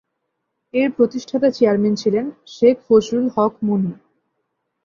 এর প্রতিষ্ঠাতা চেয়ারম্যান ছিলেন শেখ ফজলুল হক মনি।